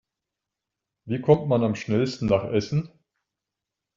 Wie kommt man am schnellsten nach Essen?